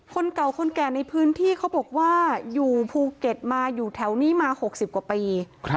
คนเก่าคนแก่ในพื้นที่เขาบอกว่าอยู่ภูเก็ตมาอยู่แถวนี้มา๖๐กว่าปี